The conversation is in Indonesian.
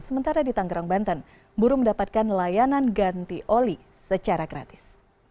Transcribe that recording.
sementara di tanggerang banten buruh mendapatkan layanan ganti oli secara gratis